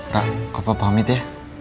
rara apa pamit ya